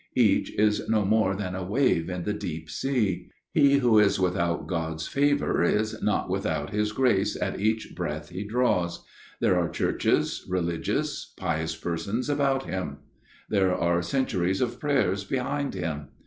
Each is no more than a wave in the deep sea. He who is without God's favour is not without His grace at each breath he draws. There are churches, religious, pious persons about him ; there are centuries of prayers behind him.